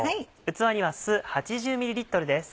器には酢８０ｍです。